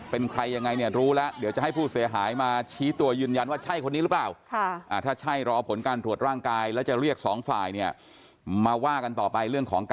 เป็นคนถ่ายคลิปไว้ก็มีการถูกเนื้อถูกตัวกันบ้าง